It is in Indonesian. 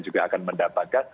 juga akan mendapatkan